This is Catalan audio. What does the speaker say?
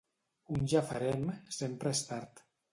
Un ja farem sempre és tard.